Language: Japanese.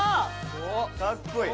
かっこいい。